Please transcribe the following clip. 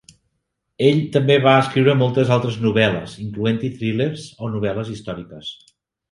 Ell també va escriure moltes altres novel·les, incloent-hi thrillers o novel·les històriques.